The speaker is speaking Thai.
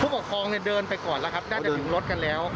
ปกครองเนี่ยเดินไปก่อนแล้วครับน่าจะถึงรถกันแล้ว